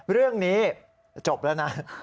เรื่องนี้จบแล้วนะ